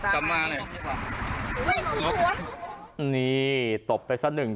ตายที่บ้าง